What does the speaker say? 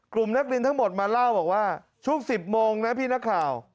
กลุ่มนักเรียนทั้งหมดมาเล่าบอกว่าช่วง๑๐โมงนะพี่นักข่าว